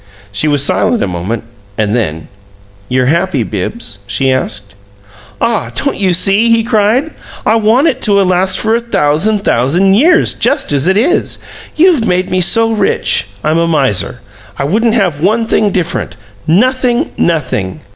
She was silent a moment, and then, "You're happy, Bibbs?" she asked. "Ah, don't you see?" he cried. "I want it to last for a thousand, thousand years, just as it is! You've made me so rich, I'm a miser. I wouldn't have one thing different nothing, nothing!"